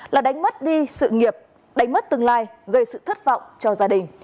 là đánh mất đi sự nghiệp đánh mất tương lai gây sự thất vọng cho gia đình